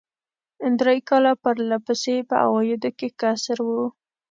درې کاله پر له پسې یې په عوایدو کې کسر و.